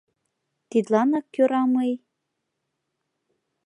Тидланак кӧра мый